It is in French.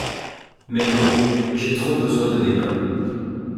Mais non: j’ai trop besoin de mes mains.